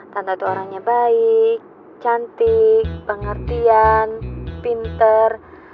tanda tuh orangnya baik cantik pengertian pinter